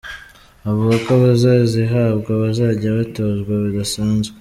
Avuga ko abazazihabwa bazajya batozwa bidasanzwe.